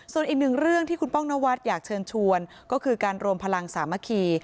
ส่วนอีกหนึ่งเรื่องที่คุณป้องนวัดอยากเชิญชวนก็คือการรวมพลังสามัคคี